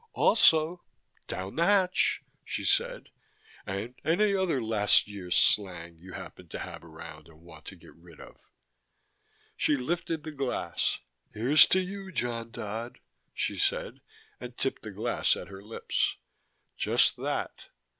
"Also down the hatch," she said. "And any other last year's slang you happen to have around and want to get rid of." She lifted the glass. "Here's to you, John Dodd," she said, and tipped the glass at her lips just that.